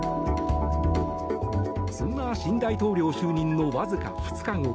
そんな新大統領就任のわずか２日後